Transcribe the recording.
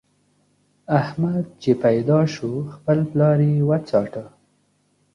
احمد چې پيدا شو؛ خپل پلار يې وڅاټه.